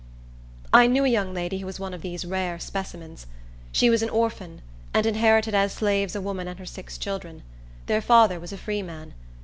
I knew a young lady who was one of these rare specimens. She was an orphan, and inherited as slaves a woman and her six children. Their father was a free man.